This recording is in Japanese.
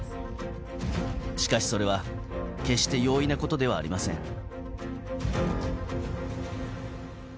しかしそれは決して容易なことではありません。